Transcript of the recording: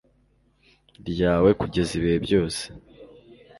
ryawe kugeza ibihe byose